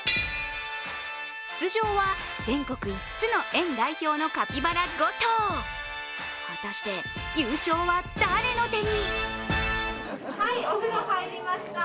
出場は全国５つの園代表のカピバラ５頭果たして優勝は誰の手に？